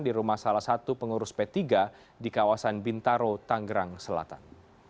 di rumah salah satu pengurus p tiga di kawasan bintaro tanggerang selatan